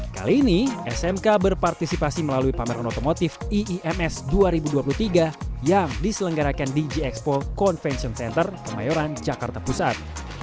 kali ini smk berpartisipasi melalui pameran otomotif iims dua ribu dua puluh tiga yang diselenggarakan di g expo convention center kemayoran jakarta pusat